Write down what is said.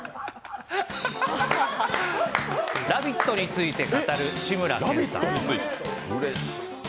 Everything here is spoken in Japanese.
「ラヴィット！」について語る志村けんさん。